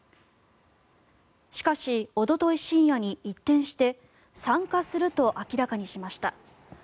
しかし、おととい深夜に一転して参加すると明らかにしました。